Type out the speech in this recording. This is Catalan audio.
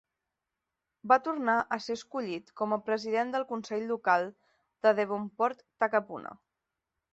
Va tornar a ser escollit com a president del Consell local de Devonport-Takapuna.